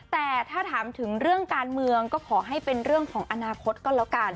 แต่ถ้าถามถึงเรื่องการเมืองก็ขอให้เป็นเรื่องของอนาคตก็แล้วกัน